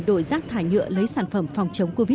đội rác thải nhựa lấy sản phẩm phòng chống covid một mươi chín